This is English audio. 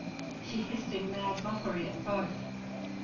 she hissed in mad mockery at both.